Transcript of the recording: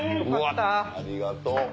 ありがとう。